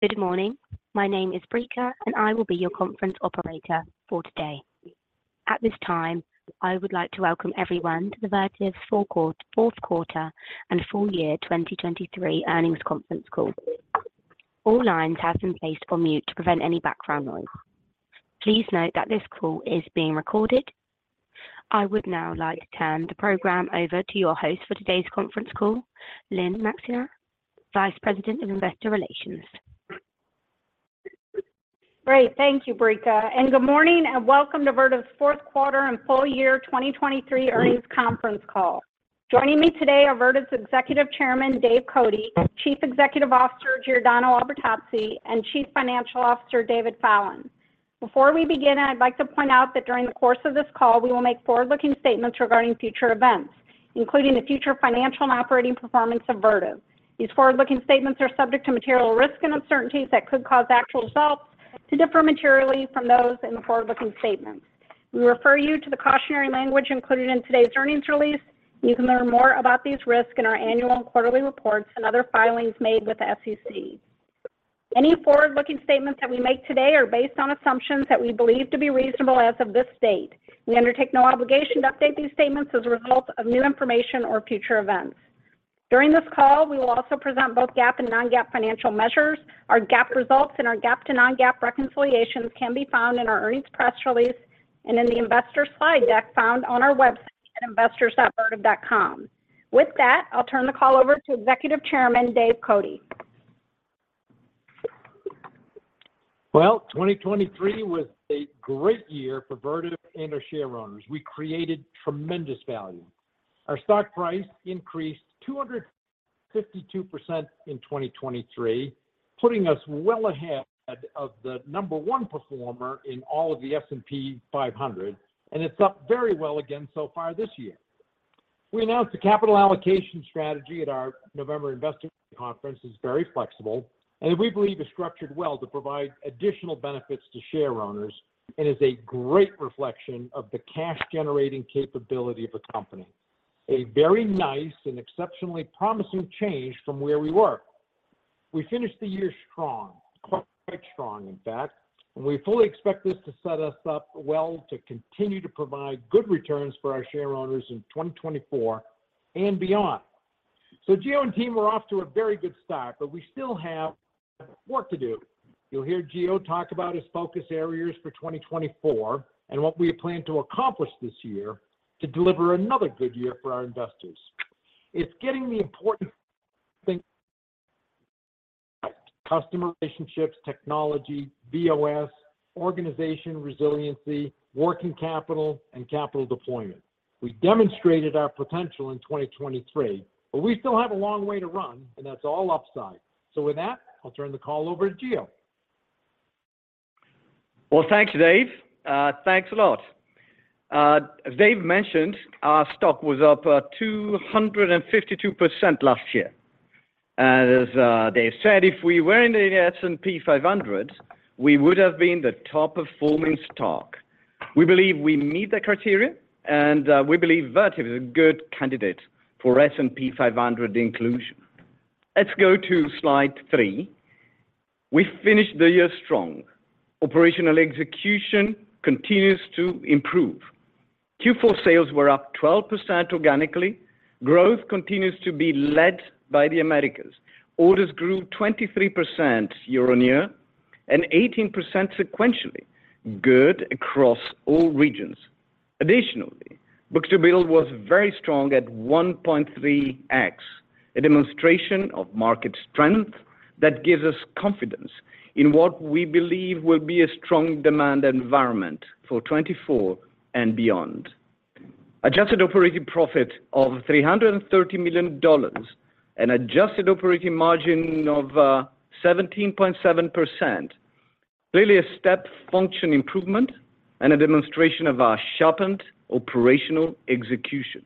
Good morning. My name is Brika, and I will be your conference operator for today. At this time, I would like to welcome everyone to Vertiv's fourth quarter and full year 2023 earnings conference call. All lines have been placed on mute to prevent any background noise. Please note that this call is being recorded. I would now like to turn the program over to your host for today's conference call, Lynne Maxeiner, Vice President of Investor Relations. Great. Thank you, Brika. Good morning and welcome to Vertiv's fourth quarter and full year 2023 earnings conference call. Joining me today are Vertiv's Executive Chairman, Dave Cote, Chief Executive Officer, Giordano Albertazzi, and Chief Financial Officer, David Fallon. Before we begin, I'd like to point out that during the course of this call we will make forward-looking statements regarding future events, including the future financial and operating performance of Vertiv. These forward-looking statements are subject to material risk and uncertainties that could cause actual results to differ materially from those in the forward-looking statements. We refer you to the cautionary language included in today's earnings release, and you can learn more about these risks in our annual and quarterly reports and other filings made with the SEC. Any forward-looking statements that we make today are based on assumptions that we believe to be reasonable as of this date. We undertake no obligation to update these statements as a result of new information or future events. During this call, we will also present both GAAP and non-GAAP financial measures. Our GAAP results and our GAAP to non-GAAP reconciliations can be found in our earnings press release and in the investor slide deck found on our website at investors.vertiv.com. With that, I'll turn the call over to Executive Chairman Dave Cote. Well, 2023 was a great year for Vertiv and our shareholders. We created tremendous value. Our stock price increased 252% in 2023, putting us well ahead of the number one performer in all of the S&P 500, and it's up very well again so far this year. We announced the capital allocation strategy at our November investor conference, is very flexible and that we believe is structured well to provide additional benefits to shareholders and is a great reflection of the cash-generating capability of the company, a very nice and exceptionally promising change from where we were. We finished the year strong, quite strong, in fact, and we fully expect this to set us up well to continue to provide good returns for our shareholders in 2024 and beyond. So Gio and team are off to a very good start, but we still have work to do. You'll hear Gio talk about his focus areas for 2024 and what we plan to accomplish this year to deliver another good year for our investors. It's getting the important things: customer relationships, technology, VOS, organization resiliency, working capital, and capital deployment. We demonstrated our potential in 2023, but we still have a long way to run, and that's all upside. With that, I'll turn the call over to Gio. Well, thanks, Dave. Thanks a lot. As Dave mentioned, our stock was up 252% last year. And as Dave said, if we were in the S&P 500, we would have been the top-performing stock. We believe we meet the criteria, and we believe Vertiv is a good candidate for S&P 500 inclusion. Let's go to slide three. We finished the year strong. Operational execution continues to improve. Q4 sales were up 12% organically. Growth continues to be led by the Americas. Orders grew 23% year-on-year and 18% sequentially, good across all regions. Additionally, book-to-bill was very strong at 1.3x, a demonstration of market strength that gives us confidence in what we believe will be a strong demand environment for 2024 and beyond. Adjusted operating profit of $330 million and adjusted operating margin of 17.7%, clearly a step function improvement and a demonstration of our sharpened operational execution.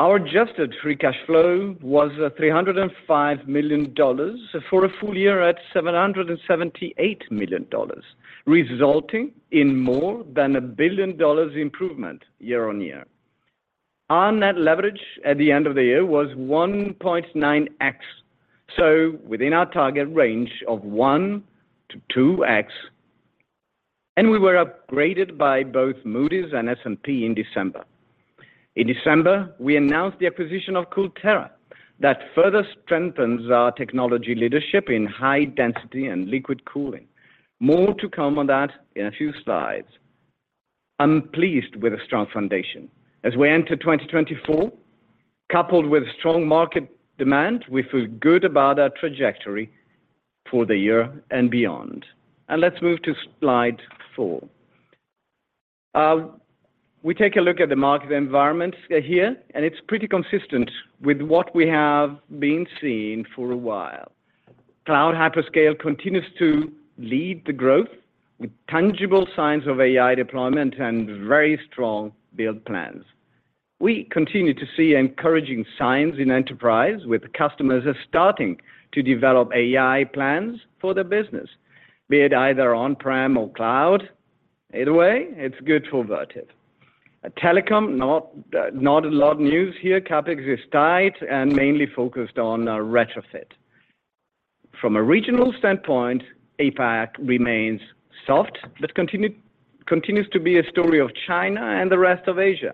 Our adjusted free cash flow was $305 million for a full year at $778 million, resulting in more than $1 billion improvement year-on-year. Our net leverage at the end of the year was 1.9x, so within our target range of one to 2x, and we were upgraded by both Moody's and S&P in December. In December, we announced the acquisition of CoolTera that further strengthens our technology leadership in high-density and liquid cooling. More to come on that in a few slides. I'm pleased with a strong foundation. As we enter 2024, coupled with strong market demand, we feel good about our trajectory for the year and beyond. Let's move to slide four. We take a look at the market environment here, and it's pretty consistent with what we have been seeing for a while. Cloud hyperscale continues to lead the growth with tangible signs of AI deployment and very strong build plans. We continue to see encouraging signs in enterprise with customers starting to develop AI plans for their business, be it either on-prem or cloud. Either way, it's good for Vertiv. Telecom: not a lot of news here. CapEx is tight and mainly focused on retrofit. From a regional standpoint, APAC remains soft but continues to be a story of China and the rest of Asia.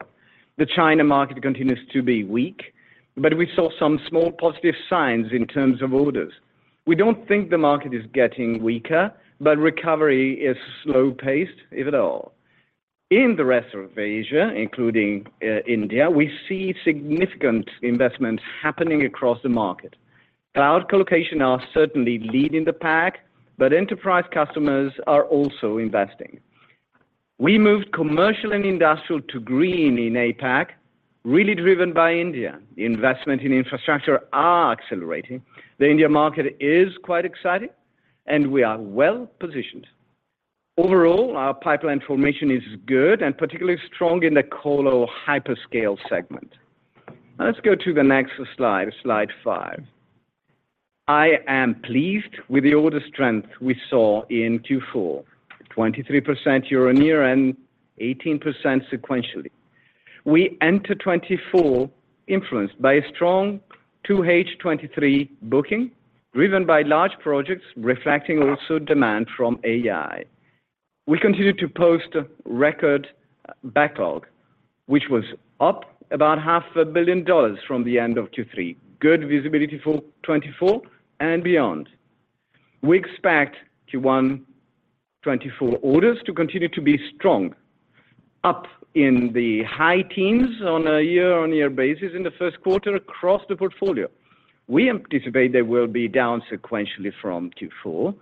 The China market continues to be weak, but we saw some small positive signs in terms of orders. We don't think the market is getting weaker, but recovery is slow-paced, if at all. In the rest of Asia, including India, we see significant investments happening across the market. Cloud colocation are certainly leading the pack, but enterprise customers are also investing. We moved commercial and industrial to green in APAC, really driven by India. The investment in infrastructure is accelerating. The India market is quite exciting, and we are well positioned. Overall, our pipeline formation is good and particularly strong in the colo hyperscale segment. Let's go to the next slide, slide five. I am pleased with the order strength we saw in Q4, 23% year-over-year and 18% sequentially. We enter 2024 influenced by a strong 2H 2023 booking driven by large projects reflecting also demand from AI. We continue to post record backlog, which was up $500 million from the end of Q3, good visibility for 2024 and beyond. We expect Q1 2024 orders to continue to be strong, up in the high teens on a year-over-year basis in the first quarter across the portfolio. We anticipate they will be down sequentially from Q4,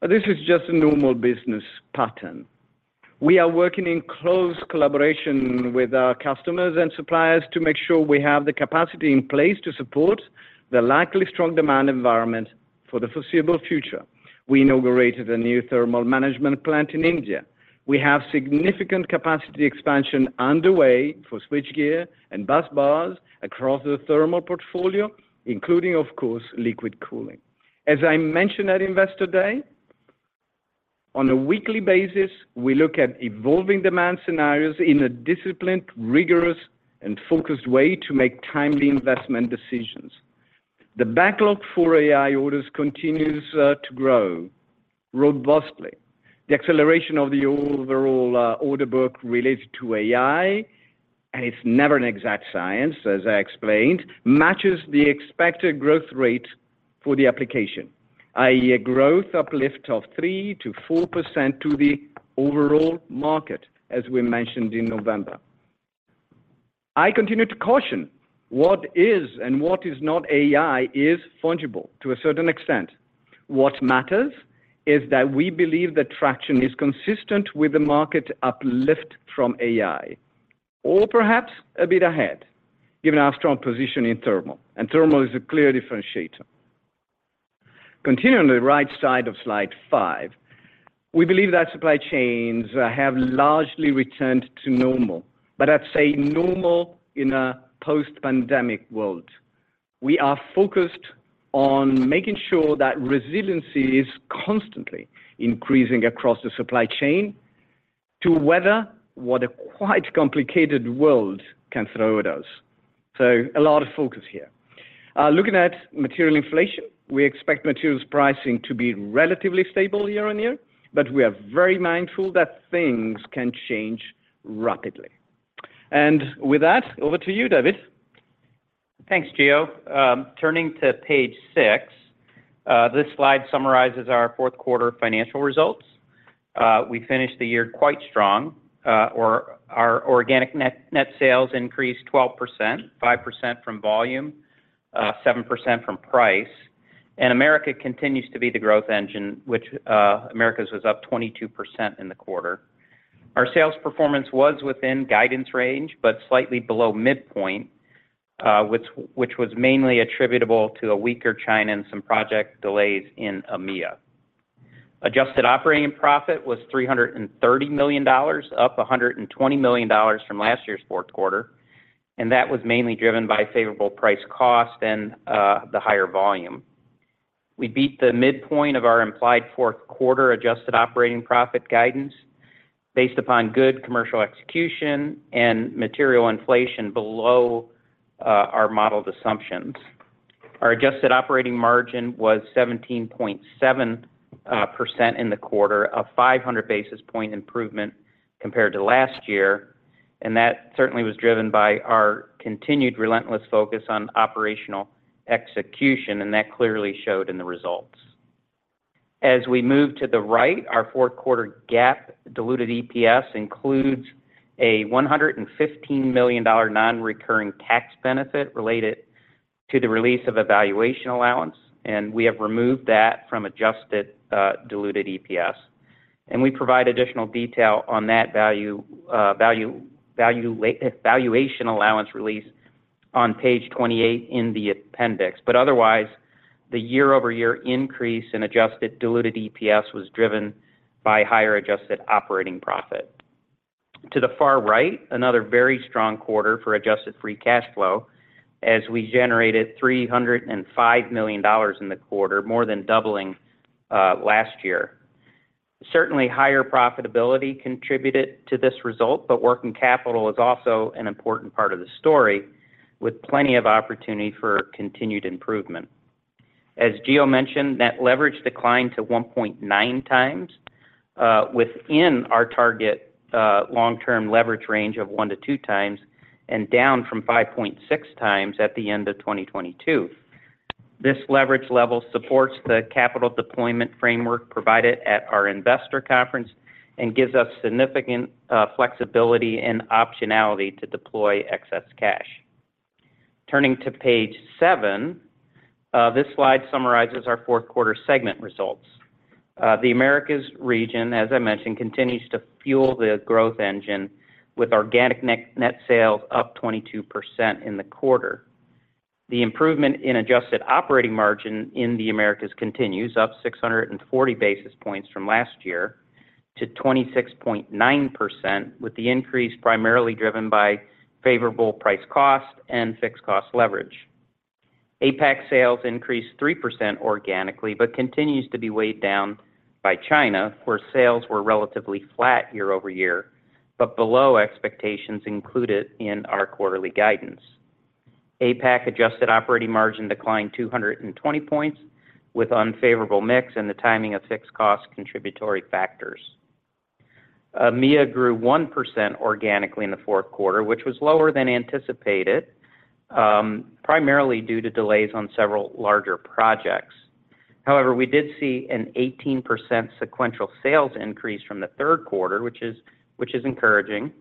but this is just a normal business pattern. We are working in close collaboration with our customers and suppliers to make sure we have the capacity in place to support the likely strong demand environment for the foreseeable future. We inaugurated a new thermal management plant in India. We have significant capacity expansion underway for switchgear and busbars across the thermal portfolio, including, of course, liquid cooling. As I mentioned at investor day, on a weekly basis, we look at evolving demand scenarios in a disciplined, rigorous, and focused way to make timely investment decisions. The backlog for AI orders continues to grow robustly. The acceleration of the overall order book related to AI, and it's never an exact science, as I explained, matches the expected growth rate for the application, i.e., a growth uplift of 3%-4% to the overall market, as we mentioned in November. I continue to caution: what is and what is not AI is fungible to a certain extent. What matters is that we believe the traction is consistent with the market uplift from AI, or perhaps a bit ahead, given our strong position in thermal, and thermal is a clear differentiator. Continuing on the right side of slide five, we believe that supply chains have largely returned to normal, but I'd say normal in a post-pandemic world. We are focused on making sure that resiliency is constantly increasing across the supply chain to weather what a quite complicated world can throw at us. So a lot of focus here. Looking at material inflation, we expect materials pricing to be relatively stable year-over-year, but we are very mindful that things can change rapidly. And with that, over to you, David. Thanks, Gio. Turning to page six, this slide summarizes our fourth quarter financial results. We finished the year quite strong. Our organic net sales increased 12%, 5% from volume, 7% from price, and America continues to be the growth engine, which America was up 22% in the quarter. Our sales performance was within guidance range but slightly below midpoint, which was mainly attributable to a weaker China and some project delays in EMEA. Adjusted operating profit was $330 million, up $120 million from last year's fourth quarter, and that was mainly driven by favorable price cost and the higher volume. We beat the midpoint of our implied fourth quarter adjusted operating profit guidance based upon good commercial execution and material inflation below our modeled assumptions. Our adjusted operating margin was 17.7% in the quarter, a 500 basis point improvement compared to last year, and that certainly was driven by our continued relentless focus on operational execution, and that clearly showed in the results. As we move to the right, our fourth quarter GAAP diluted EPS includes a $115 million non-recurring tax benefit related to the release of valuation allowance, and we have removed that from adjusted diluted EPS. We provide additional detail on that valuation allowance release on page 28 in the appendix, but otherwise, the year-over-year increase in adjusted diluted EPS was driven by higher adjusted operating profit. To the far right, another very strong quarter for adjusted free cash flow, as we generated $305 million in the quarter, more than doubling last year. Certainly, higher profitability contributed to this result, but working capital is also an important part of the story with plenty of opportunity for continued improvement. As Gio mentioned, net leverage declined to 1.9x within our target long-term leverage range of one to two times and down from 5.6x at the end of 2022. This leverage level supports the capital deployment framework provided at our investor conference and gives us significant flexibility and optionality to deploy excess cash. Turning to page seven, this slide summarizes our fourth quarter segment results. The Americas region, as I mentioned, continues to fuel the growth engine with organic net sales up 22% in the quarter. The improvement in adjusted operating margin in the Americas continues, up 640 basis points from last year to 26.9%, with the increase primarily driven by favorable price cost and fixed cost leverage. APAC sales increased 3% organically but continues to be weighed down by China, where sales were relatively flat year-over-year but below expectations included in our quarterly guidance. APAC adjusted operating margin declined 220 points with unfavorable mix and the timing of fixed cost contributory factors. EMEA grew 1% organically in the fourth quarter, which was lower than anticipated, primarily due to delays on several larger projects. However, we did see an 18% sequential sales increase from the third quarter, which is encouraging,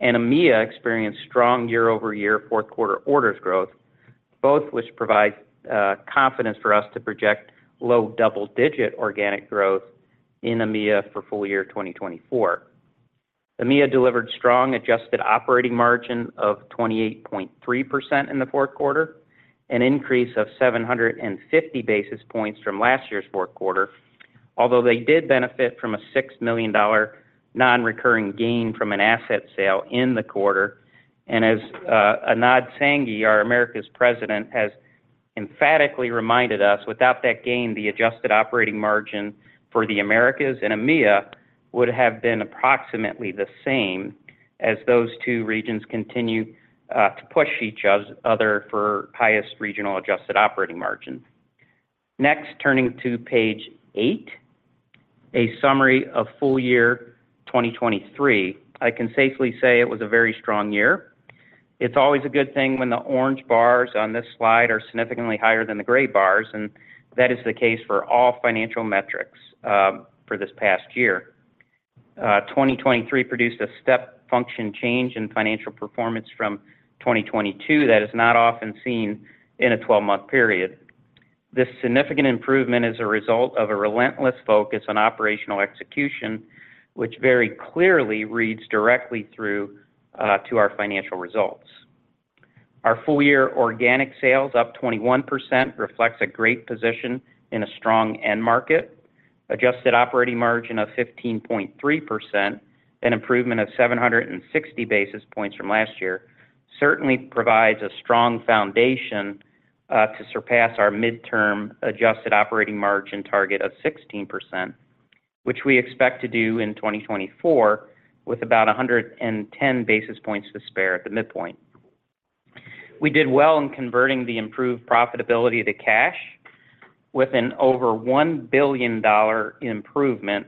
and EMEA experienced strong year-over-year fourth quarter orders growth, both which provides confidence for us to project low double-digit organic growth in EMEA for full year 2024. EMEA delivered strong adjusted operating margin of 28.3% in the fourth quarter, an increase of 750 basis points from last year's fourth quarter, although they did benefit from a $6 million non-recurring gain from an asset sale in the quarter. As Anand Sanghi, our Americas President, has emphatically reminded us, without that gain, the adjusted operating margin for the Americas and EMEA would have been approximately the same as those two regions continue to push each other for highest regional adjusted operating margin. Next, turning to page eight, a summary of full year 2023, I can safely say it was a very strong year. It's always a good thing when the orange bars on this slide are significantly higher than the gray bars, and that is the case for all financial metrics for this past year. 2023 produced a step function change in financial performance from 2022 that is not often seen in a 12-month period. This significant improvement is a result of a relentless focus on operational execution, which very clearly reads directly through to our financial results. Our full year organic sales, up 21%, reflects a great position in a strong end market. Adjusted operating margin of 15.3%, an improvement of 760 basis points from last year, certainly provides a strong foundation to surpass our midterm adjusted operating margin target of 16%, which we expect to do in 2024 with about 110 basis points to spare at the midpoint. We did well in converting the improved profitability to cash with an over $1 billion improvement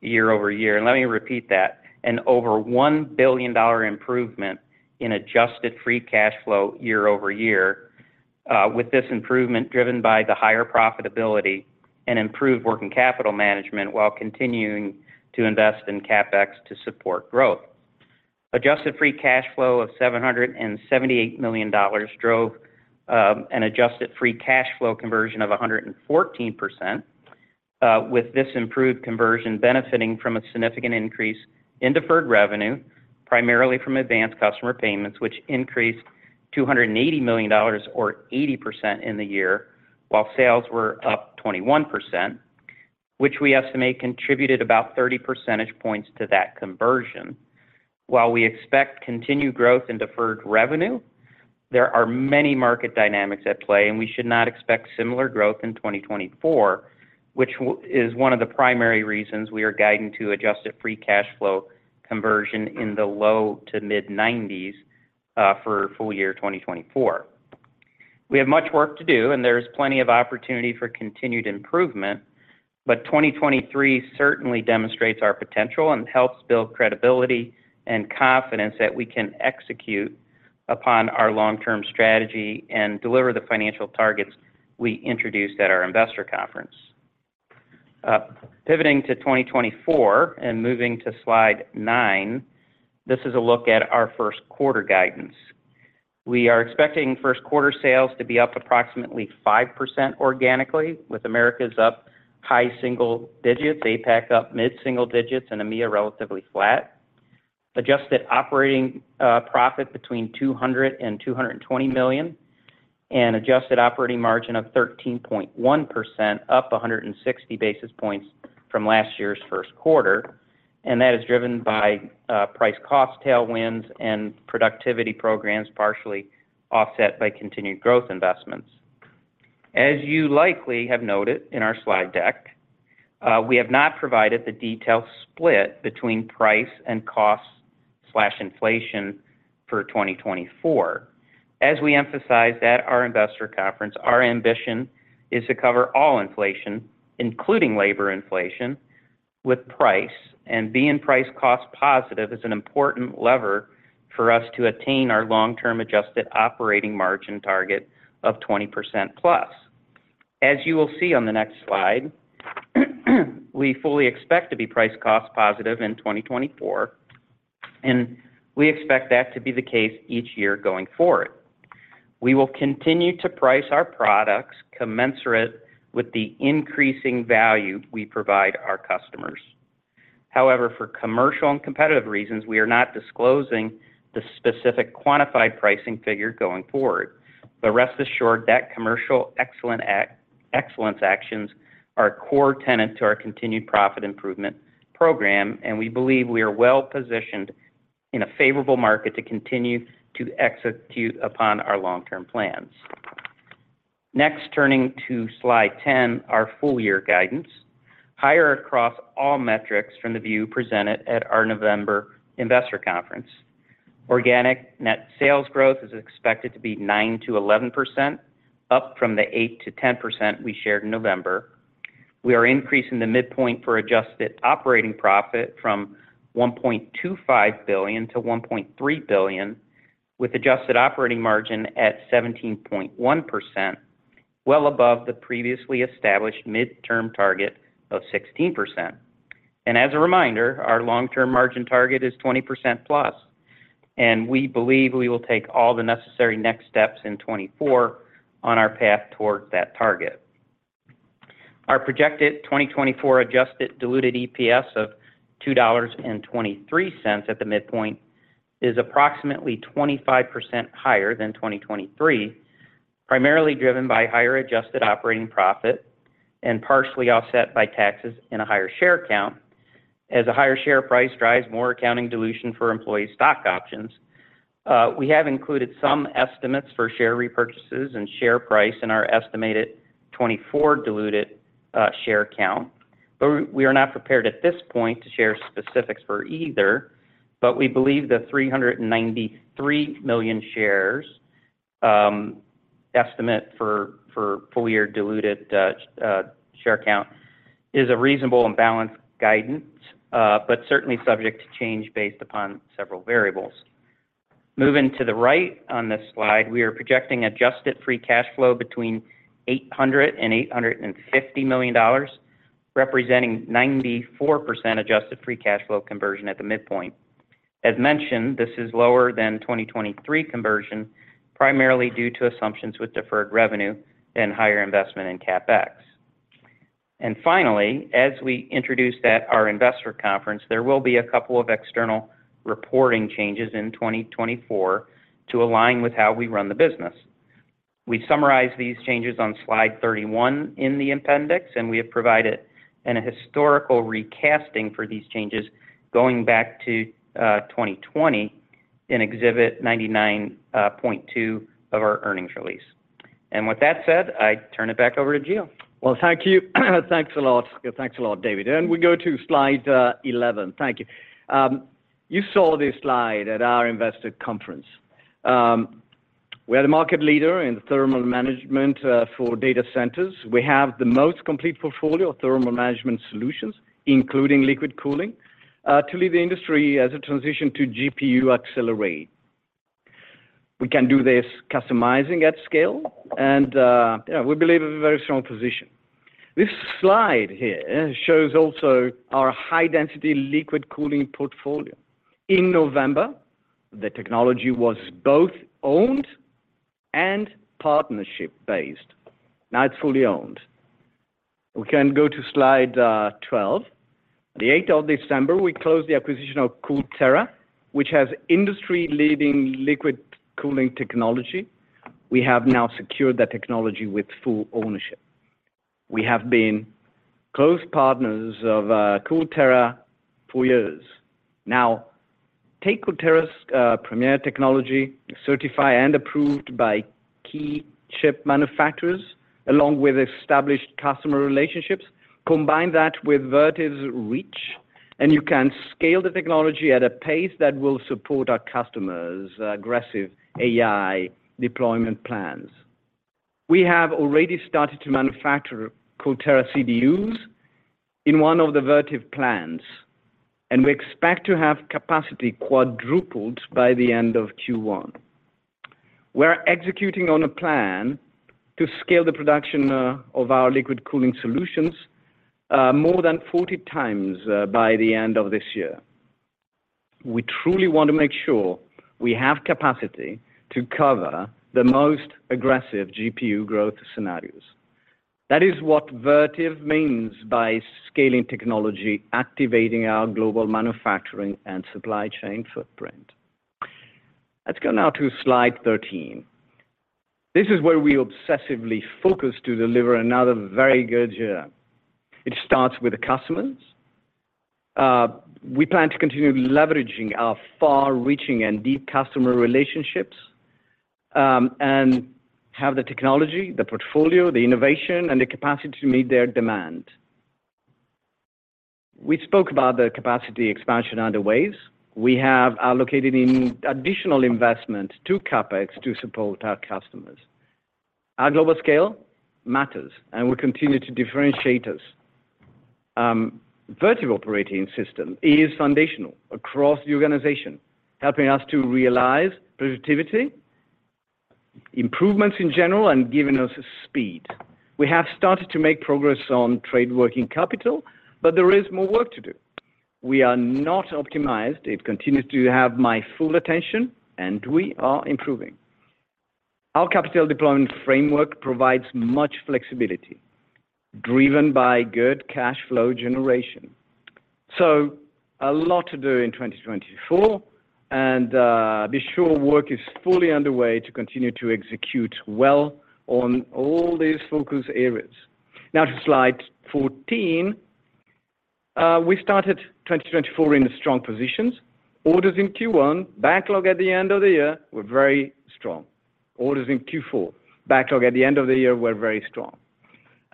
year over year. And let me repeat that: an over $1 billion improvement in adjusted free cash flow year-over-year, with this improvement driven by the higher profitability and improved working capital management while continuing to invest in CapEx to support growth. Adjusted free cash flow of $778 million drove an adjusted free cash flow conversion of 114%, with this improved conversion benefiting from a significant increase in deferred revenue, primarily from advanced customer payments, which increased $280 million or 80% in the year while sales were up 21%, which we estimate contributed about 30 percentage points to that conversion. While we expect continued growth in deferred revenue, there are many market dynamics at play, and we should not expect similar growth in 2024, which is one of the primary reasons we are guiding to adjusted free cash flow conversion in the low to mid-90s for full year 2024. We have much work to do, and there is plenty of opportunity for continued improvement, but 2023 certainly demonstrates our potential and helps build credibility and confidence that we can execute upon our long-term strategy and deliver the financial targets we introduced at our investor conference. Pivoting to 2024 and moving to slide nine, this is a look at our first quarter guidance. We are expecting first quarter sales to be up approximately 5% organically, with Americas up high single digits, APAC up mid-single digits, and EMEA relatively flat, adjusted operating profit between $200 million-$220 million, and adjusted operating margin of 13.1%, up 160 basis points from last year's first quarter. That is driven by price cost tailwinds and productivity programs partially offset by continued growth investments. As you likely have noted in our slide deck, we have not provided the detailed split between price and cost/inflation for 2024. As we emphasized at our investor conference, our ambition is to cover all inflation, including labor inflation, with price, and being price cost positive is an important lever for us to attain our long-term adjusted operating margin target of 20%+. As you will see on the next slide, we fully expect to be price cost positive in 2024, and we expect that to be the case each year going forward. We will continue to price our products, commensurate with the increasing value we provide our customers. However, for commercial and competitive reasons, we are not disclosing the specific quantified pricing figure going forward. Rest assured that commercial excellence actions are a core tenet to our continued profit improvement program, and we believe we are well positioned in a favorable market to continue to execute upon our long-term plans. Next, turning to slide 10, our full year guidance, higher across all metrics from the view presented at our November investor conference. Organic net sales growth is expected to be 9%-11%, up from the 8%-10% we shared in November. We are increasing the midpoint for adjusted operating profit from $1.25 billion-$1.3 billion, with adjusted operating margin at 17.1%, well above the previously established midterm target of 16%. And as a reminder, our long-term margin target is 20%+, and we believe we will take all the necessary next steps in 2024 on our path towards that target. Our projected 2024 adjusted diluted EPS of $2.23 at the midpoint is approximately 25% higher than 2023, primarily driven by higher adjusted operating profit and partially offset by taxes and a higher share count. As a higher share price drives more accounting dilution for employee stock options, we have included some estimates for share repurchases and share price in our estimated 2024 diluted share count. But we are not prepared at this point to share specifics for either, but we believe the 393 million shares estimate for full year diluted share count is a reasonable and balanced guidance, but certainly subject to change based upon several variables. Moving to the right on this slide, we are projecting adjusted free cash flow between $800 million-$850 million, representing 94% adjusted free cash flow conversion at the midpoint. As mentioned, this is lower than 2023 conversion, primarily due to assumptions with deferred revenue and higher investment in CapEx. Finally, as we introduce that at our investor conference, there will be a couple of external reporting changes in 2024 to align with how we run the business. We summarize these changes on slide 31 in the appendix, and we have provided a historical recasting for these changes going back to 2020 in Exhibit 99.2 of our earnings release. With that said, I turn it back over to Gio. Well, thank you. Thanks a lot. Thanks a lot, David. We go to slide 11. Thank you. You saw this slide at our investor conference. We are the market leader in thermal management for data centers. We have the most complete portfolio of thermal management solutions, including liquid cooling, to lead the industry as a transition to GPU accelerate. We can do this customizing at scale, and we believe in a very strong position. This slide here shows also our high-density liquid cooling portfolio. In November, the technology was both owned and partnership-based. Now it's fully owned. We can go to slide 12. On the 8th of December, we closed the acquisition of CoolTera, which has industry-leading liquid cooling technology. We have now secured that technology with full ownership. We have been close partners of CoolTera for years. Now, take CoolTera's premier technology, certified and approved by key chip manufacturers, along with established customer relationships, combine that with Vertiv's reach, and you can scale the technology at a pace that will support our customers' aggressive AI deployment plans. We have already started to manufacture CoolTera CDUs in one of the Vertiv plants, and we expect to have capacity quadrupled by the end of Q1. We're executing on a plan to scale the production of our liquid cooling solutions more than 40x by the end of this year. We truly want to make sure we have capacity to cover the most aggressive GPU growth scenarios. That is what Vertiv means by scaling technology, activating our global manufacturing and supply chain footprint. Let's go now to slide 13. This is where we obsessively focus to deliver another very good year. It starts with the customers. We plan to continue leveraging our far-reaching and deep customer relationships and have the technology, the portfolio, the innovation, and the capacity to meet their demand. We spoke about the capacity expansion underways. We have allocated additional investment to CapEx to support our customers. Our global scale matters, and we continue to differentiate us. Vertiv Operating System is foundational across the organization, helping us to realize productivity, improvements in general, and giving us speed. We have started to make progress on trade working capital, but there is more work to do. We are not optimized. It continues to have my full attention, and we are improving. Our capital deployment framework provides much flexibility, driven by good cash flow generation. A lot to do in 2024, and be sure work is fully underway to continue to execute well on all these focus areas. Now to slide 14. We started 2024 in strong positions. Orders in Q1, backlog at the end of the year, were very strong. Orders in Q4, backlog at the end of the year, were very strong.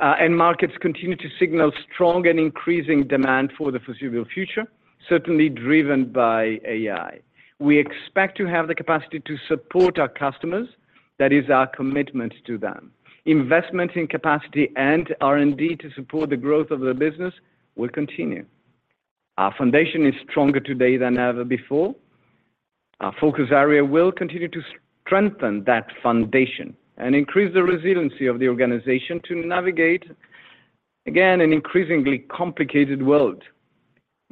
Markets continue to signal strong and increasing demand for the foreseeable future, certainly driven by AI. We expect to have the capacity to support our customers. That is our commitment to them. Investment in capacity and R&D to support the growth of the business will continue. Our foundation is stronger today than ever before. Our focus area will continue to strengthen that foundation and increase the resiliency of the organization to navigate, again, an increasingly complicated world.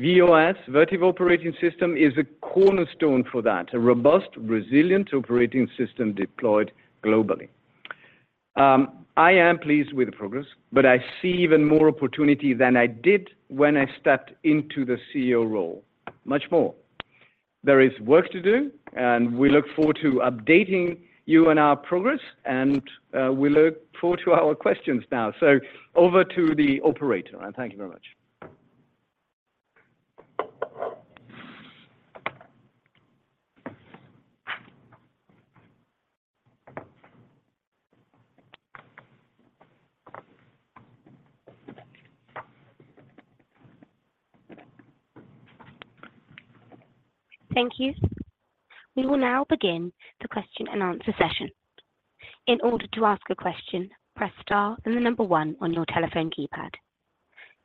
VOS, Vertiv Operating System, is a cornerstone for that, a robust, resilient operating system deployed globally. I am pleased with the progress, but I see even more opportunity than I did when I stepped into the CEO role, much more. There is work to do, and we look forward to updating you on our progress, and we look forward to our questions now. So over to the operator. Thank you very much. Thank you. We will now begin the question-and-answer session. In order to ask a question, press star and the number one on your telephone keypad.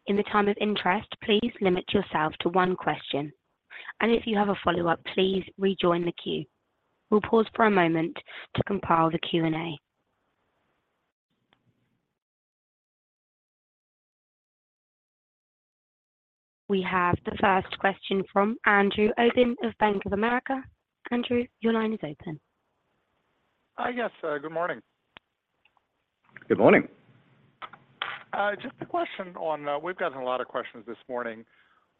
In the interest of time, please limit yourself to one question, and if you have a follow-up, please rejoin the queue. We'll pause for a moment to compile the Q&A. We have the first question from Andrew Obin of Bank of America. Andrew, your line is open. Yes. Good morning. Good morning. Just a question on we've gotten a lot of questions this morning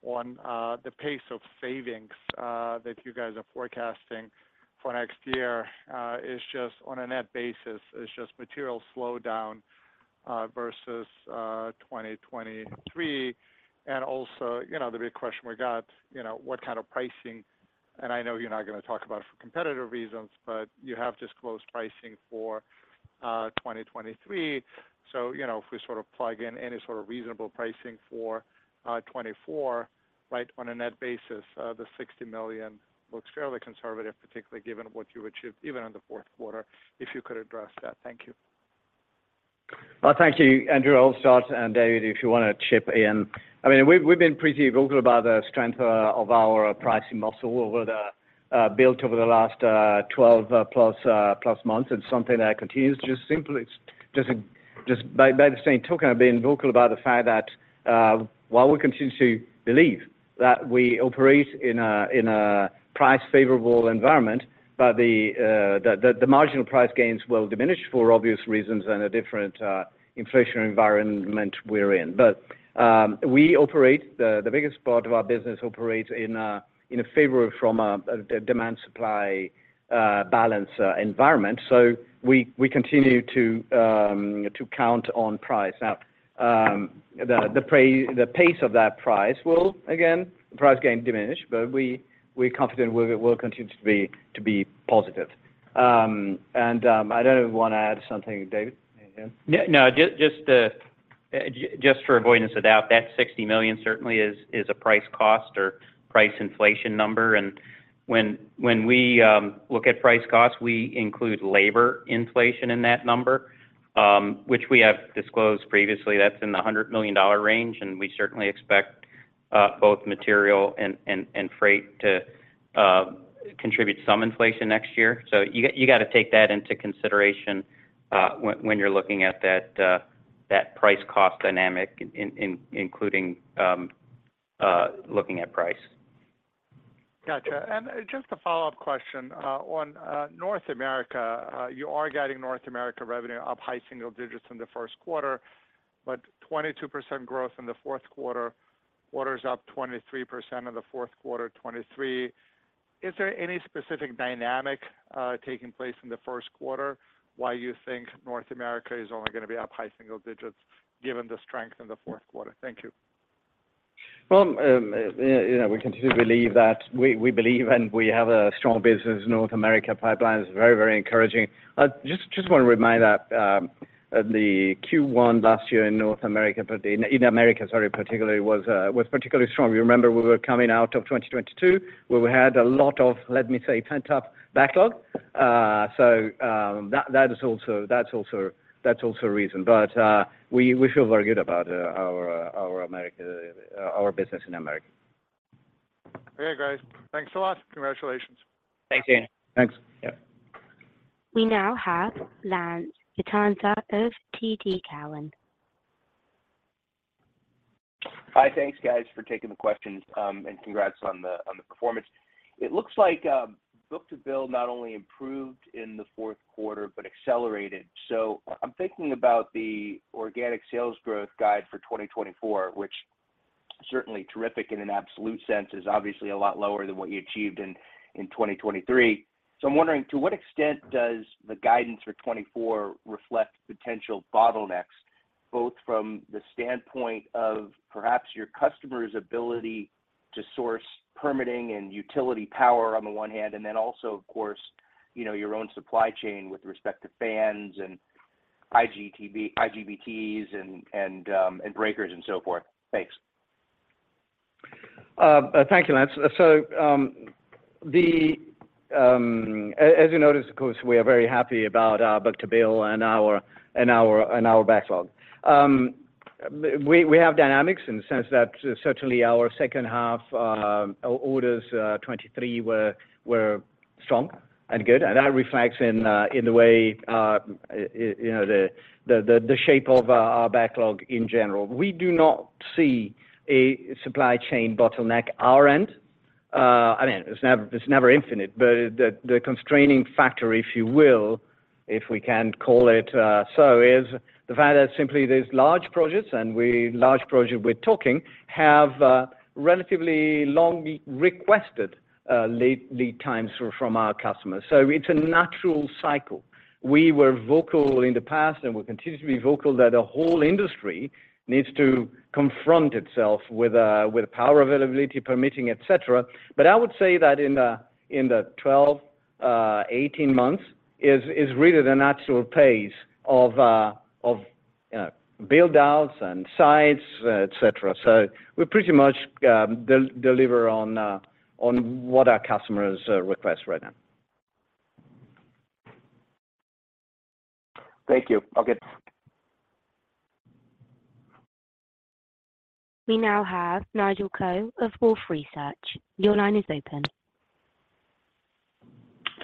on the pace of savings that you guys are forecasting for next year. On a net basis, is just material slowdown versus 2023? And also, the big question we got, what kind of pricing? And I know you're not going to talk about it for competitive reasons, but you have disclosed pricing for 2023. So if we sort of plug in any sort of reasonable pricing for 2024, right, on a net basis, the $60 million looks fairly conservative, particularly given what you've achieved even in the fourth quarter. If you could address that, thank you. Thank you, Andrew. I'll start. And David, if you want to chip in. I mean, we've been pretty vocal about the strength of our pricing muscle built over the last 12+ months. It's something that continues. Just by the same token, I've been vocal about the fact that while we continue to believe that we operate in a price-favorable environment, the marginal price gains will diminish for obvious reasons and a different inflationary environment we're in. But the biggest part of our business operates in favor from a demand-supply balance environment, so we continue to count on price. Now, the pace of that price will, again, the price gain diminish, but we're confident it will continue to be positive. And I don't know if you want to add something, David. No, just for avoidance of doubt, that $60 million certainly is a price cost or price inflation number. And when we look at price costs, we include labor inflation in that number, which we have disclosed previously. That's in the $100 million range, and we certainly expect both material and freight to contribute some inflation next year. So you got to take that into consideration when you're looking at that price cost dynamic, including looking at price. Gotcha. And just a follow-up question. On North America, you are getting North America revenue up high single digits in the first quarter, but 22% growth in the fourth quarter. Quarters up 23% in the fourth quarter, 23. Is there any specific dynamic taking place in the first quarter why you think North America is only going to be up high single digits given the strength in the fourth quarter? Thank you. Well, we continue to believe that we believe and we have a strong business. North America pipeline is very, very encouraging. I just want to remind that the Q1 last year in North America, in America, sorry, particularly, was particularly strong. You remember we were coming out of 2022 where we had a lot of, let me say, pent-up backlog. So that's also a reason. But we feel very good about our business in America. Okay, guys. Thanks a lot. Congratulations. Thanks, you. Thanks. Yep. We now have Lance Vitanza of TD Cowen. Hi. Thanks, guys, for taking the questions, and congrats on the performance. It looks like Book-to-Bill not only improved in the fourth quarter but accelerated. So I'm thinking about the organic sales growth guide for 2024, which is certainly terrific in an absolute sense. It's obviously a lot lower than what you achieved in 2023. So I'm wondering, to what extent does the guidance for 2024 reflect potential bottlenecks, both from the standpoint of perhaps your customers' ability to source permitting and utility power on the one hand, and then also, of course, your own supply chain with respect to fans and IGBTs and breakers and so forth? Thanks. Thank you, Lance. So as you notice, of course, we are very happy about Book-to-Bill and our backlog. We have dynamics in the sense that certainly our second-half orders, 2023, were strong and good, and that reflects in the way the shape of our backlog in general. We do not see a supply chain bottleneck on our end. I mean, it's never infinite, but the constraining factor, if you will, if we can call it so, is the fact that simply there's large projects, and large projects we're talking have relatively long requested lead times from our customers. So it's a natural cycle. We were vocal in the past, and we continue to be vocal, that the whole industry needs to confront itself with power availability, permitting, etc. But I would say that in the 12-18 months is really the natural pace of build-outs and sites, etc. So we pretty much deliver on what our customers request right now. Thank you. Okay. We now have Nigel Coe of Wolfe Research. Your line is open.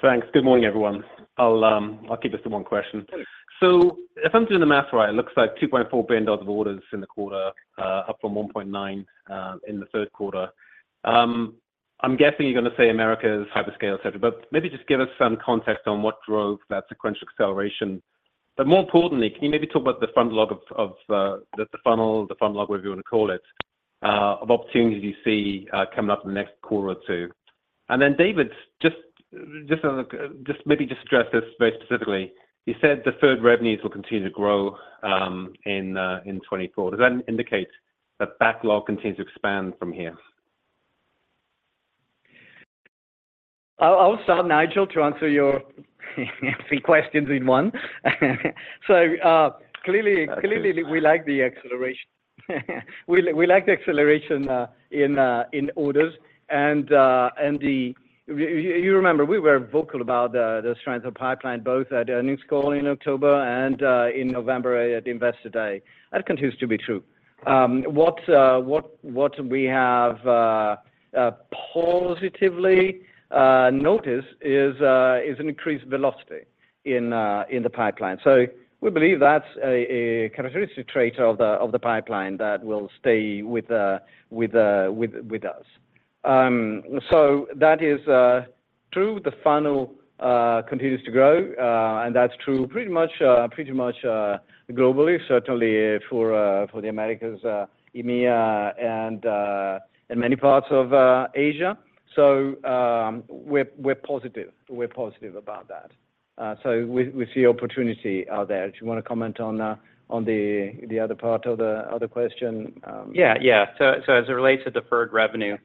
Thanks. Good morning, everyone. I'll keep this to one question. So if I'm doing the math right, it looks like $2.4 billion of orders in the quarter, up from $1.9 billion in the third quarter. I'm guessing you're going to say Americas hyperscale, etc., but maybe just give us some context on what drove that sequential acceleration. But more importantly, can you maybe talk about the front log of the funnel, the front log, whatever you want to call it, of opportunities you see coming up in the next quarter or two? And then, David, just maybe just address this very specifically. You said the third-quarter revenues will continue to grow in 2024. Does that indicate that backlog continues to expand from here? I'll start, Nigel, to answer your three questions in one. So clearly, we like the acceleration. We like the acceleration in orders. And you remember, we were vocal about the strength of the pipeline, both at earnings call in October and in November at Investor Day. That continues to be true. What we have positively noticed is an increased velocity in the pipeline. So we believe that's a characteristic trait of the pipeline that will stay with us. So that is true. The funnel continues to grow, and that's true pretty much globally, certainly for the Americas, EMEA, and many parts of Asia. So we're positive. We're positive about that. So we see opportunity out there. Do you want to comment on the other part of the question? Yeah. Yeah. So as it relates to deferred revenue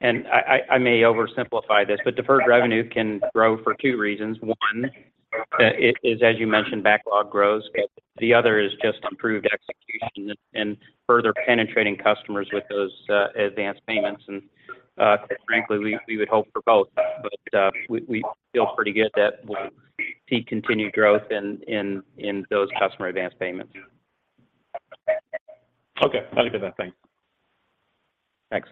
and I may oversimplify this, but deferred revenue can grow for two reasons. One is, as you mentioned, backlog grows, but the other is just improved execution and further penetrating customers with those advanced payments. And frankly, we would hope for both, but we feel pretty good that we'll see continued growth in those customer advanced payments. Okay. Let me put that. Thanks. Thanks.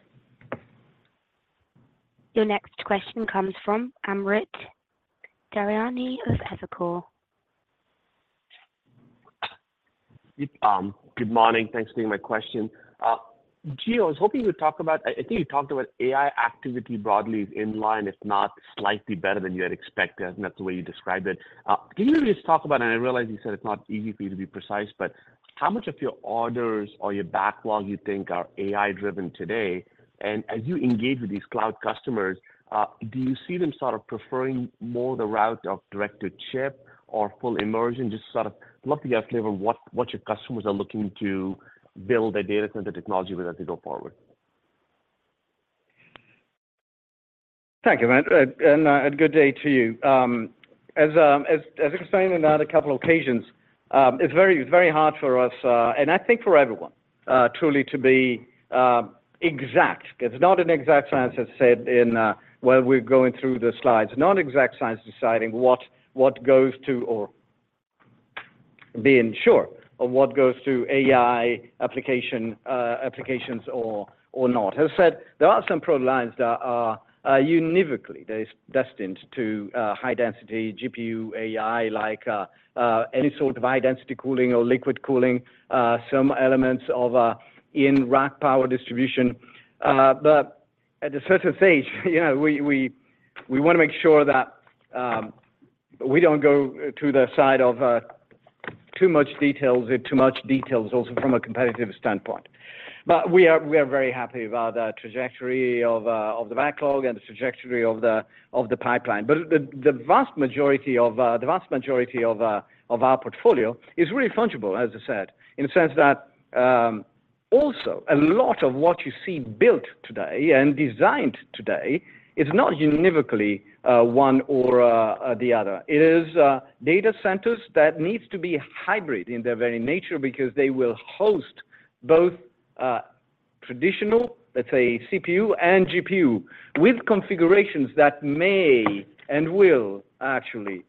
Your next question comes from Amit Daryanani of Evercore. Good morning. Thanks for taking my question. Gio, I was hoping you would talk about. I think you talked about AI activity broadly as in line, if not slightly better than you had expected, and that's the way you described it. Can you maybe just talk about and I realize you said it's not easy for you to be precise, but how much of your orders or your backlog you think are AI-driven today? And as you engage with these cloud customers, do you see them sort of preferring more the route of direct-to-chip or full immersion? Just sort of love to get a flavor of what your customers are looking to build their data center technology with as they go forward. Thank you, Amit. A good day to you. As I explained on a couple of occasions, it's very hard for us, and I think for everyone, truly, to be exact. It's not an exact science as said in while we're going through the slides. Not exact science deciding what goes to or being sure of what goes to AI applications or not. As I said, there are some products that are unequivocally destined to high-density GPU AI, like any sort of high-density cooling or liquid cooling, some elements of in-rack power distribution. But at a certain stage, we want to make sure that we don't go to the side of too much details and too much details also from a competitive standpoint. But we are very happy about the trajectory of the backlog and the trajectory of the pipeline. But the vast majority of the vast majority of our portfolio is really fungible, as I said, in the sense that also a lot of what you see built today and designed today is not univocally one or the other. It is data centers that need to be hybrid in their very nature because they will host both traditional, let's say, CPU and GPU with configurations that may and will actually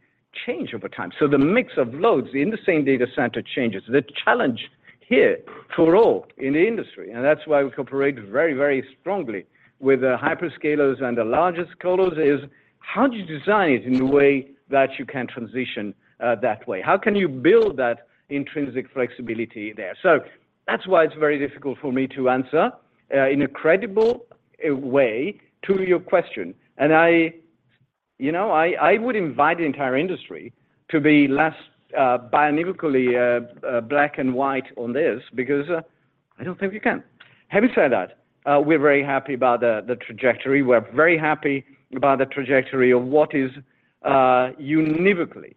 change over time. So the mix of loads in the same data center changes. The challenge here for all in the industry, and that's why we cooperate very, very strongly with the hyperscalers and the largest colos, is how do you design it in the way that you can transition that way? How can you build that intrinsic flexibility there? So that's why it's very difficult for me to answer in a credible way to your question. And I would invite the entire industry to be less binarily black and white on this because I don't think you can. Having said that, we're very happy about the trajectory. We're very happy about the trajectory of what is univocally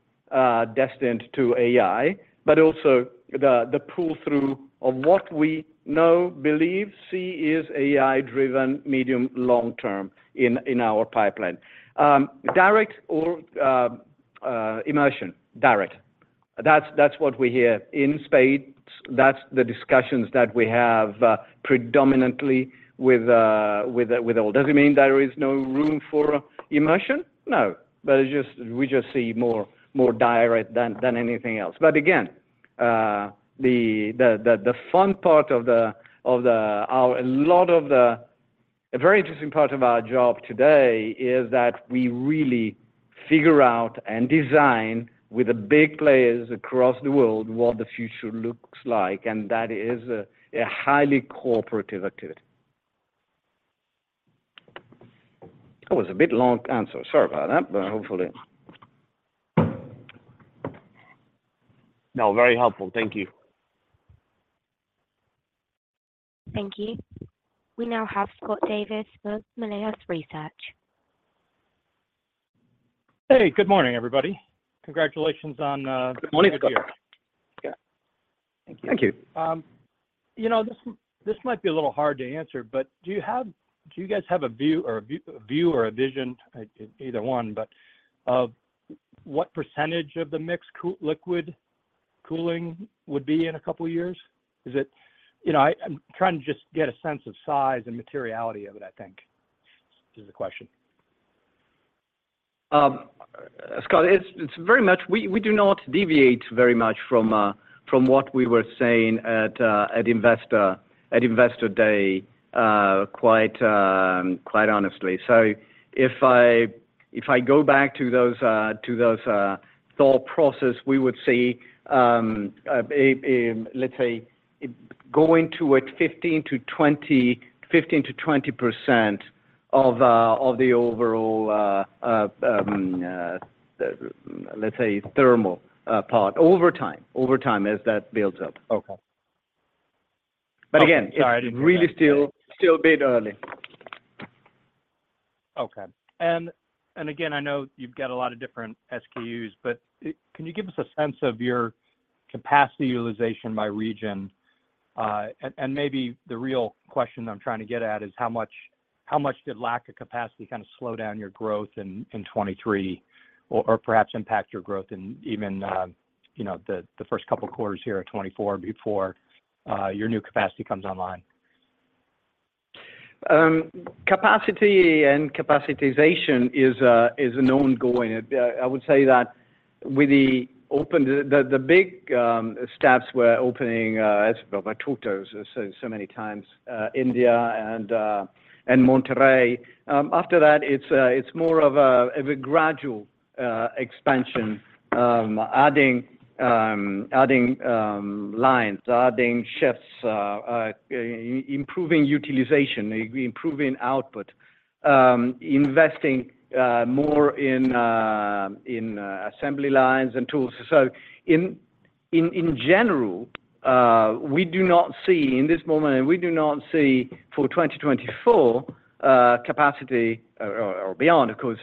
destined to AI, but also the pull-through of what we know, believe, see is AI-driven medium-long term in our pipeline. Direct or immersion, direct. That's what we hear in spades. That's the discussions that we have predominantly with all. Does it mean there is no room for immersion? No. But we just see more direct than anything else. But again, the fun part of a lot of the, a very interesting part of our job today is that we really figure out and design with the big players across the world what the future looks like, and that is a highly cooperative activity. That was a bit long answer. Sorry about that, but hopefully. No, very helpful. Thank you. Thank you. We now have Scott Davis of Melius Research. Hey. Good morning, everybody. Congratulations on the year. Good morning, Scott. Yeah. Thank you. Thank you. This might be a little hard to answer, but do you guys have a view or a vision, either one, but of what percentage of the mixed liquid cooling would be in a couple of years? Is it, I'm trying to just get a sense of size and materiality of it, I think, is the question. Scott, it's very much we do not deviate very much from what we were saying at Investor Day quite honestly. So if I go back to those thought process, we would see, let's say, going toward 15-20 15%-20% of the overall, let's say, thermal part over time, over time as that builds up. But again, it's really still a bit early. Okay. And again, I know you've got a lot of different SKUs, but can you give us a sense of your capacity utilization by region? And maybe the real question that I'm trying to get at is how much did lack of capacity kind of slow down your growth in 2023 or perhaps impact your growth in even the first couple of quarters here at 2024 before your new capacity comes online? Capacity and capacitization is an ongoing. I would say that with the open, the big steps we're opening—I've talked to so many times—India and Monterrey. After that, it's more of a gradual expansion, adding lines, adding shifts, improving utilization, improving output, investing more in assembly lines and tools. So in general, we do not see in this moment, and we do not see for 2024 capacity or beyond, of course,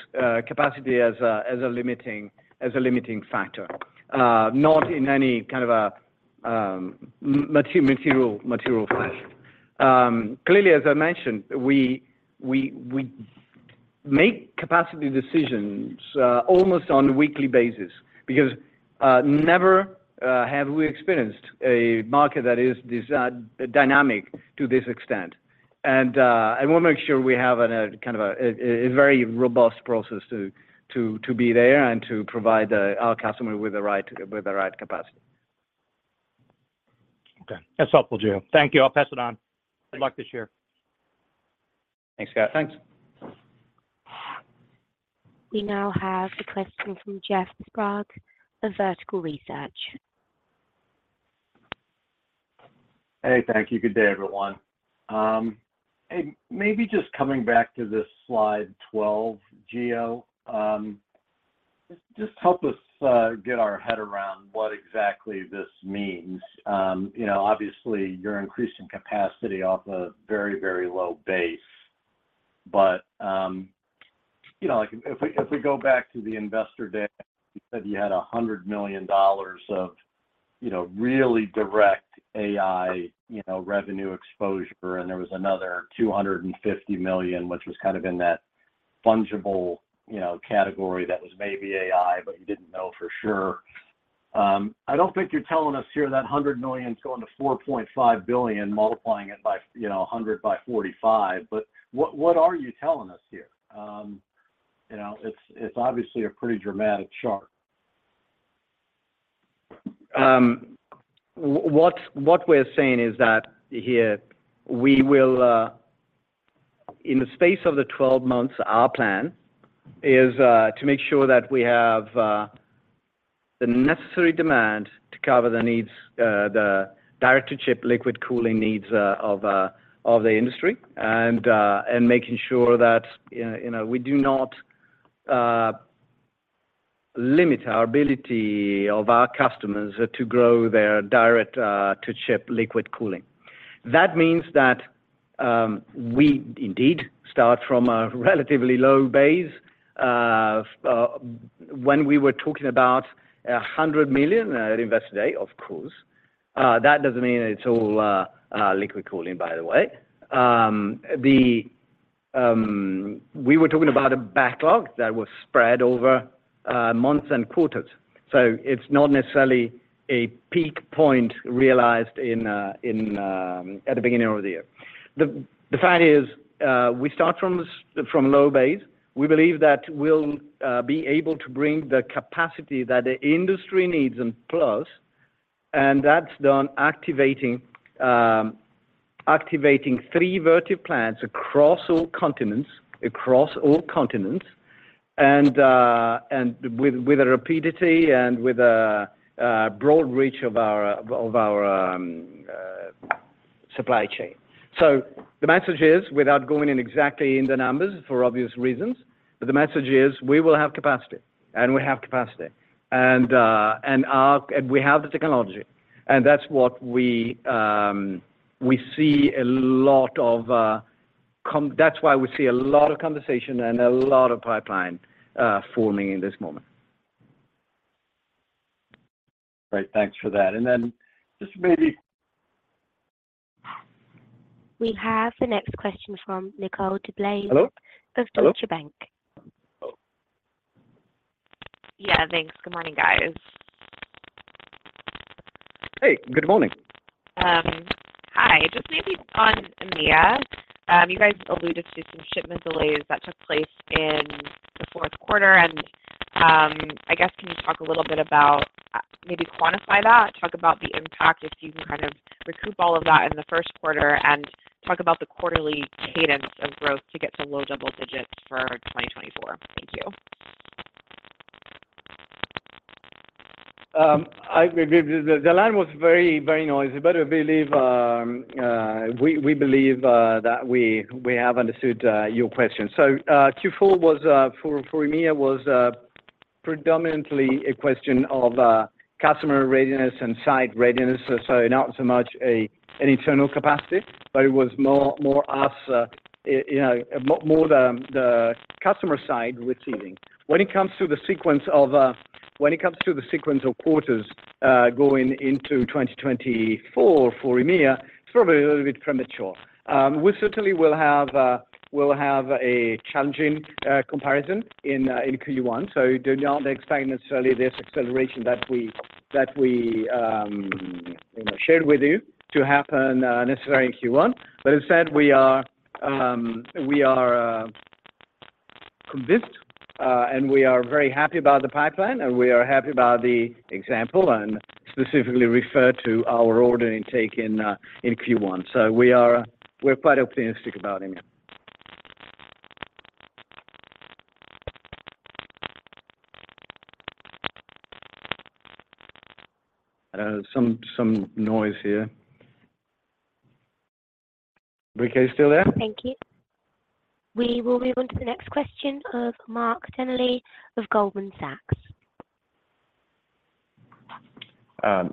capacity as a limiting factor, not in any kind of a material fashion. Clearly, as I mentioned, we make capacity decisions almost on a weekly basis because never have we experienced a market that is dynamic to this extent. And we want to make sure we have kind of a very robust process to be there and to provide our customer with the right capacity. Okay. That's helpful, Gio. Thank you. I'll pass it on. Good luck this year. Thanks, Scott. Thanks. We now have a question from Jeff Sprague of Vertical Research. Hey. Thank you. Good day, everyone. Hey, maybe just coming back to this slide 12, Gio, just help us get our head around what exactly this means. Obviously, you're increasing capacity off a very, very low base. But if we go back to the Investor Day, you said you had $100 million of really direct AI revenue exposure, and there was another $250 million, which was kind of in that fungible category that was maybe AI, but you didn't know for sure. I don't think you're telling us here that $100 million is going to $4.5 billion, multiplying it by 100 by 45, but what are you telling us here? It's obviously a pretty dramatic chart. What we're saying is that here, in the space of the 12 months, our plan is to make sure that we have the necessary demand to cover the direct-to-chip liquid cooling needs of the industry and making sure that we do not limit our ability of our customers to grow their direct-to-chip liquid cooling. That means that we indeed start from a relatively low base. When we were talking about $100 million at Investor Day, of course, that doesn't mean it's all liquid cooling, by the way. We were talking about a backlog that was spread over months and quarters. So it's not necessarily a peak point realized at the beginning of the year. The fact is, we start from a low base. We believe that we'll be able to bring the capacity that the industry needs and plus, and that's done activating three Vertiv plants across all continents and with a rapidity and with a broad reach of our supply chain. So the message is, without going in exactly in the numbers for obvious reasons, but the message is, we will have capacity, and we have capacity, and we have the technology. And that's what we see a lot of that's why we see a lot of conversation and a lot of pipeline forming in this moment. Great. Thanks for that. And then just maybe. We have the next question from Nicole DeBlase of Deutsche Bank. Hello. Yeah. Thanks. Good morning, guys. Hey. Good morning. Hi. Just maybe on EMEA, you guys alluded to some shipment delays that took place in the fourth quarter. I guess, can you talk a little bit about maybe quantify that, talk about the impact, if you can kind of recoup all of that in the first quarter, and talk about the quarterly cadence of growth to get to low double digits for 2024? Thank you. The line was very, very noisy. But we believe that we have understood your question. So Q4, for EMEA, was predominantly a question of customer readiness and site readiness, so not so much an internal capacity, but it was more us, more the customer side receiving. When it comes to the sequence of when it comes to the sequence of quarters going into 2024 for EMEA, it's probably a little bit premature. We certainly will have a challenging comparison in Q1. So do not expect necessarily this acceleration that we shared with you to happen necessarily in Q1. But as I said, we are convinced, and we are very happy about the pipeline, and we are happy about the example and specifically refer to our order intake in Q1. So we're quite optimistic about it, Mia. I don't know. Some noise here. Nick, are you still there? Thank you. We will move on to the next question of Mark Delaney of Goldman Sachs.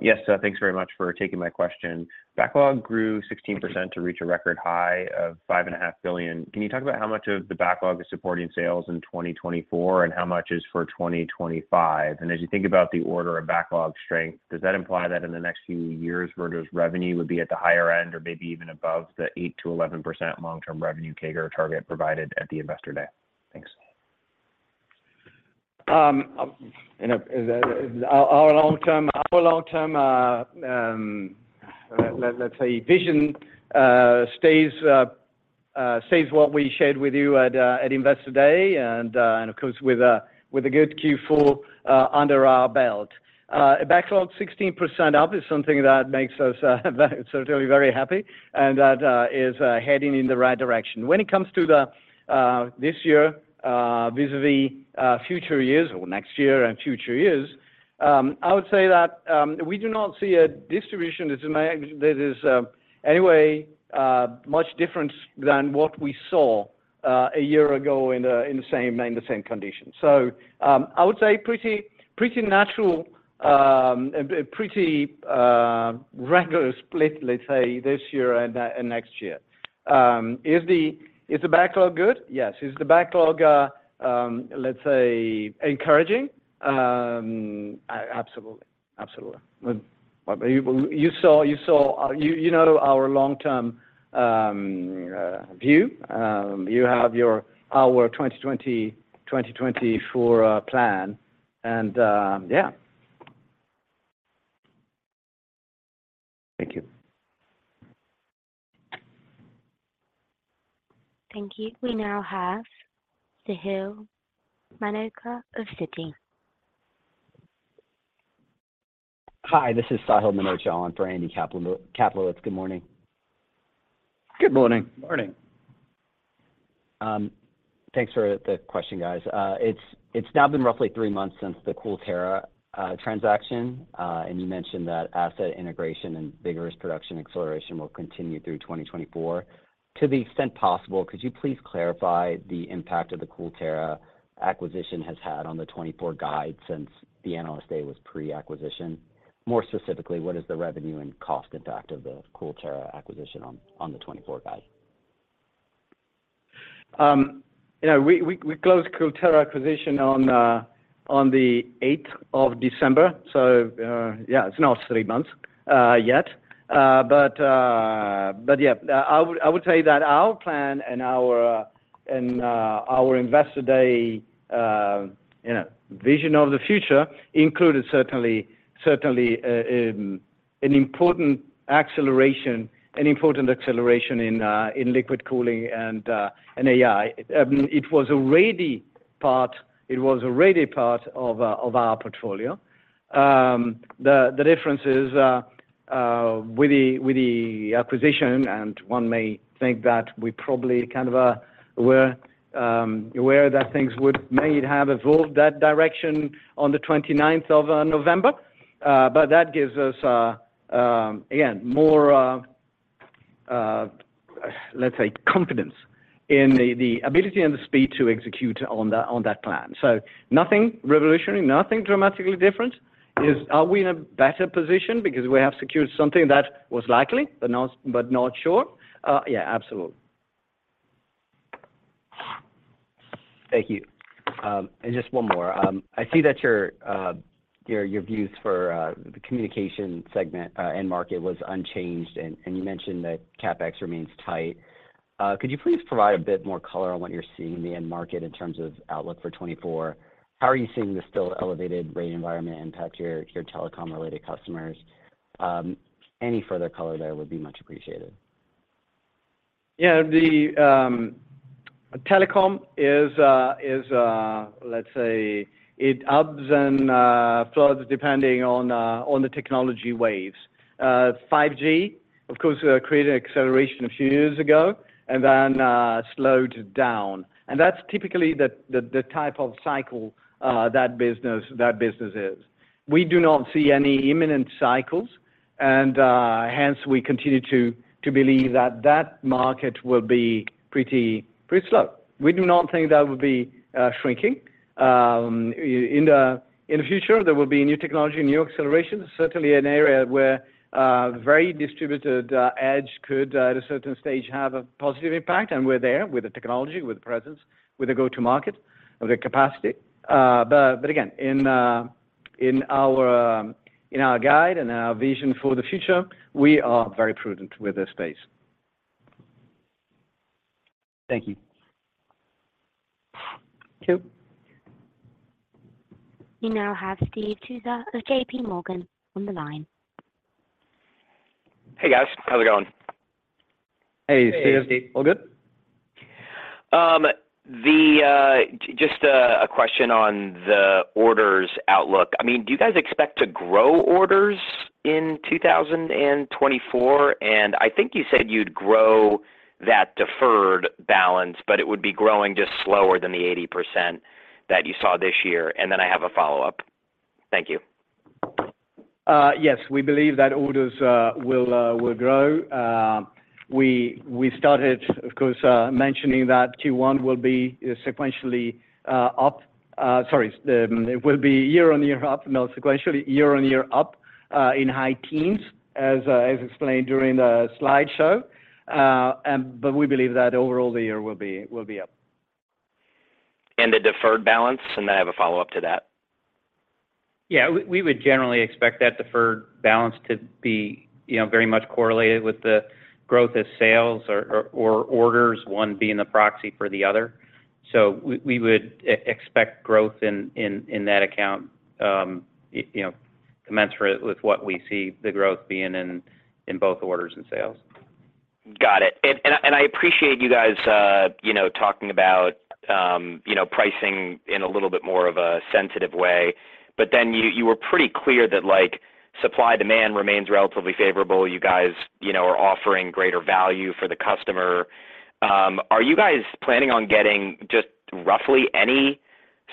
Yes. Thanks very much for taking my question. Backlog grew 16% to reach a record high of $5.5 billion. Can you talk about how much of the backlog is supporting sales in 2024 and how much is for 2025? And as you think about the order of backlog strength, does that imply that in the next few years, Vertiv's revenue would be at the higher end or maybe even above the 8%-11% long-term revenue CAGR target provided at the Investor Day? Thanks. Our long-term, let's say, vision stays what we shared with you at Investor Day and, of course, with a good Q4 under our belt. A backlog 16% up is something that makes us certainly very happy and that is heading in the right direction. When it comes to this year vis-à-vis future years or next year and future years, I would say that we do not see a distribution that is anyway much different than what we saw a year ago in the same condition. So I would say pretty natural, pretty regular split, let's say, this year and next year. Is the backlog good? Yes. Is the backlog, let's say, encouraging? Absolutely. Absolutely. You saw our long-term view. You have our 2020-2024 plan. And yeah. Thank you. Thank you. We now have Sahil Manocha of Citi. Hi. This is Sahil Manocha on for Andy Kaplowitz. Good morning. Good morning. Morning. Thanks for the question, guys. It's now been roughly three months since the CoolTera transaction, and you mentioned that asset integration and vigorous production acceleration will continue through 2024. To the extent possible, could you please clarify the impact that the CoolTera acquisition has had on the '24 guide since the analyst day was pre-acquisition? More specifically, what is the revenue and cost impact of the CoolTera acquisition on the '24 guide? We closed CoolTera acquisition on the 8th of December. So yeah, it's not three months yet. But yeah, I would say that our plan and our Investor Day vision of the future included certainly an important acceleration in liquid cooling and AI. It was already part of our portfolio. The difference is, with the acquisition, and one may think that we probably kind of were aware that things would may have evolved that direction on the 29th of November, but that gives us, again, more, let's say, confidence in the ability and the speed to execute on that plan. So nothing revolutionary, nothing dramatically different. Are we in a better position because we have secured something that was likely but not sure? Yeah. Absolutely. Thank you. And just one more. I see that your views for the communication segment end market was unchanged, and you mentioned that CapEx remains tight. Could you please provide a bit more color on what you're seeing in the end market in terms of outlook for 2024? How are you seeing the still elevated rate environment impact your telecom-related customers? Any further color there would be much appreciated. Yeah. Telecom is, let's say, it ups and downs depending on the technology waves. 5G, of course, created an acceleration a few years ago and then slowed down. And that's typically the type of cycle that business is. We do not see any imminent cycles, and hence, we continue to believe that that market will be pretty slow. We do not think that will be shrinking. In the future, there will be new technology, new accelerations, certainly an area where very distributed edge could, at a certain stage, have a positive impact. And we're there with the technology, with the presence, with the go-to-market, with the capacity. But again, in our guide and our vision for the future, we are very prudent with this space. Thank you. Thank you. We now have Steve Tusa of JPMorgan on the line. Hey, guys. How's it going? Hey, Steve. Hey, Steve. All good? Just a question on the orders outlook. I mean, do you guys expect to grow orders in 2024? And I think you said you'd grow that deferred balance, but it would be growing just slower than the 80% that you saw this year. And then I have a follow-up. Thank you. Yes. We believe that orders will grow. We started, of course, mentioning that Q1 will be sequentially up. Sorry. It will be year-on-year up, no, sequentially, year-on-year up in high teens, as explained during the slideshow. But we believe that overall, the year will be up. And the deferred balance? Then I have a follow-up to that. Yeah. We would generally expect that deferred balance to be very much correlated with the growth as sales or orders, one being the proxy for the other. So we would expect growth in that account commensurate with what we see the growth being in both orders and sales. Got it. I appreciate you guys talking about pricing in a little bit more of a sensitive way. But then you were pretty clear that supply-demand remains relatively favorable. You guys are offering greater value for the customer. Are you guys planning on getting just roughly any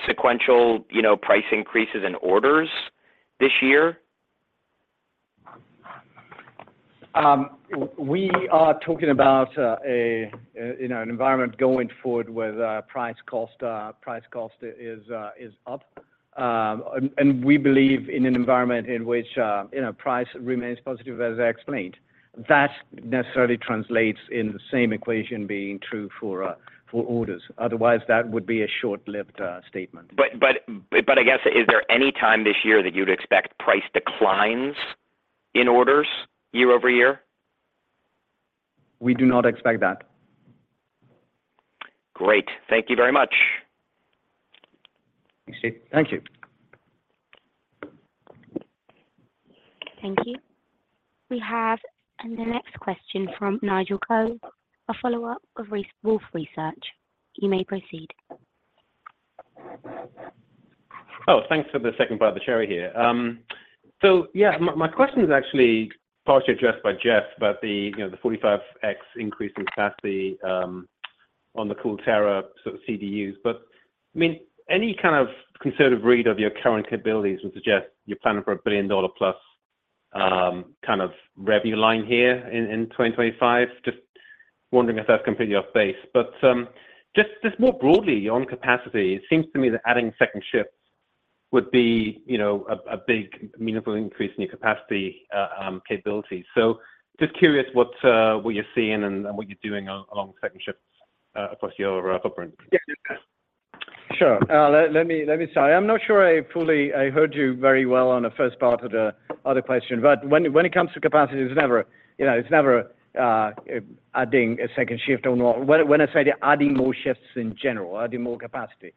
sequential price increases in orders this year? We are talking about an environment going forward where price cost is up. We believe in an environment in which price remains positive, as I explained. That necessarily translates in the same equation being true for orders. Otherwise, that would be a short-lived statement. But I guess, is there any time this year that you'd expect price declines in orders year-over-year? We do not expect that. Great. Thank you very much. Thanks, Steve. Thank you. Thank you. We have the next question from Nigel Coe, a follow-up of Wolfe Research. You may proceed. Oh. Thanks for the second bite of the cherry here. So yeah, my question is actually partially addressed by Jeff about the 45x increase in capacity on the CoolTera sort of CDUs. But I mean, any kind of conservative read of your current capabilities would suggest you're planning for a billion-dollar-plus kind of revenue line here in 2025. Just wondering if that's completely off base. But just more broadly on capacity, it seems to me that adding second shifts would be a big, meaningful increase in your capacity capabilities. So just curious what you're seeing and what you're doing along second shifts across your footprint. Yeah. Sure. Let me start. I'm not sure I heard you very well on the first part of the other question. But when it comes to capacity, it's never adding a second shift on what? When I say adding more shifts in general, adding more capacity,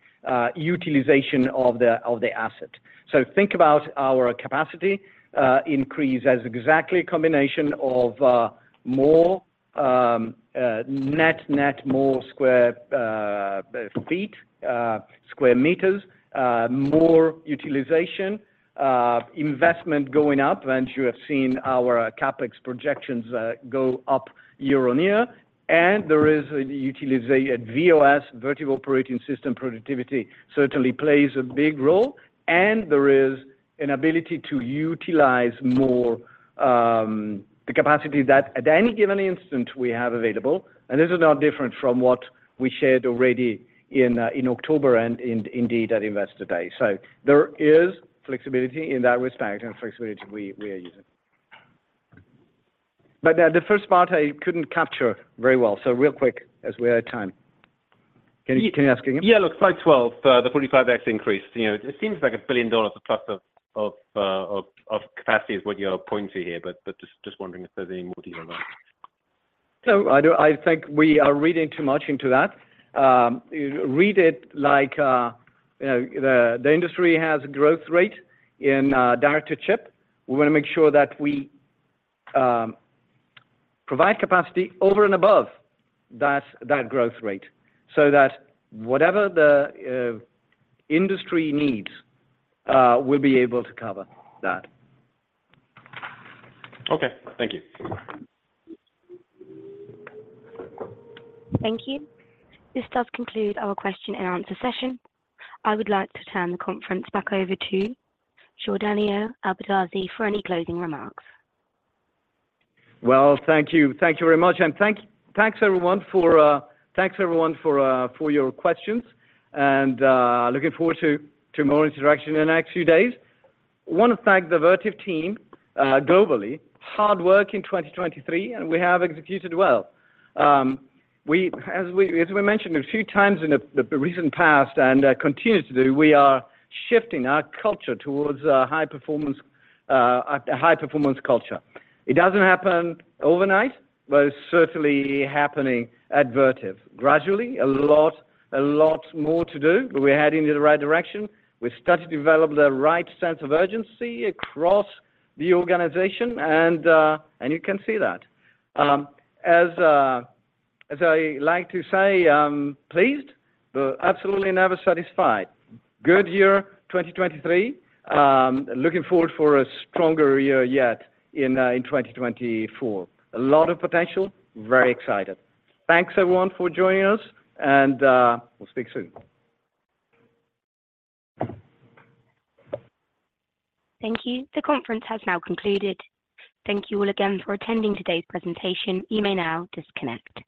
utilization of the asset. So think about our capacity increase as exactly a combination of more net, net more square feet, square meters, more utilization, investment going up, and you have seen our CapEx projections go up year on year. And there is VOS, Vertiv Operating System Productivity, certainly plays a big role. And there is an ability to utilize more the capacity that at any given instant we have available. And this is not different from what we shared already in October and indeed at Investor Day. So there is flexibility in that respect, and flexibility we are using. But the first part, I couldn't capture very well. So real quick, as we are at time. Can you ask again? Yeah. Look. Slide 12, the 45x increase. It seems like $1 billion-plus of capacity is what you're pointing to here. But just wondering if there's any more detail on that. No. I think we are reading too much into that. Read it like the industry has a growth rate in direct-to-chip. We want to make sure that we provide capacity over and above that growth rate so that whatever the industry needs, we'll be able to cover that. Okay. Thank you. Thank you. This does conclude our question-and-answer session. I would like to turn the conference back over to Giordano Albertazzi for any closing remarks. Well, thank you. Thank you very much. And thanks, everyone, for your questions. Looking forward to more interaction in the next few days. I want to thank the Vertiv team globally, hard work in 2023, and we have executed well. As we mentioned a few times in the recent past and continue to do, we are shifting our culture towards a high-performance culture. It doesn't happen overnight, but it's certainly happening at Vertiv. Gradually, a lot, a lot more to do, but we're heading in the right direction. We've started to develop the right sense of urgency across the organization, and you can see that. As I like to say, pleased, but absolutely never satisfied. Good year, 2023. Looking forward for a stronger year yet in 2024. A lot of potential. Very excited. Thanks, everyone, for joining us. We'll speak soon. Thank you. The conference has now concluded. Thank you all again for attending today's presentation. You may now disconnect.